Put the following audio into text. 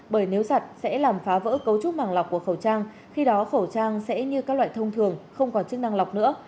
bởi nếu giặt sẽ làm phá vỡ cấu trúc mảng lọc của khẩu trang khi đó khẩu trang sẽ như các loại thông thường không còn chức năng lọc nữa